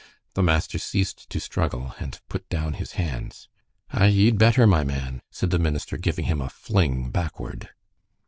The master ceased to struggle, and put down his hands. "Ay, ye'd better, my man," said the minister, giving him a fling backward.